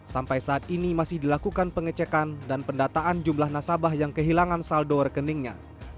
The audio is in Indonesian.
sampai saat ini masih dilakukan pengecekan dan pendataan jumlah nasabah yang kehilangan saldo rekeningnya